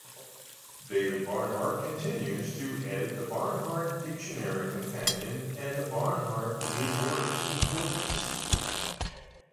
David Barnhart continues to edit the "Barnhart Dictionary Companion" and the "Barnhart New-Words Concordance".